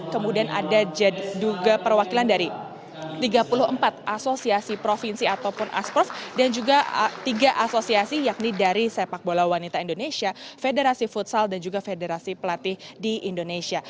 kemudian ada juga perwakilan dari tiga puluh empat asosiasi provinsi ataupun asprof dan juga tiga asosiasi yakni dari sepak bola wanita indonesia federasi futsal dan juga federasi pelatih di indonesia